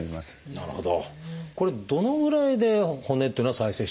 なるほど。